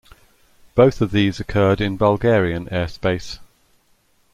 Both of these occurred in Bulgarian airspace.